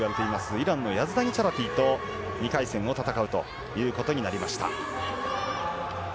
イランのヤズダニチャラティと２回戦を戦うことになります。